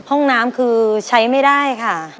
ห้องน้ำคือใช้ไม่ได้ค่ะ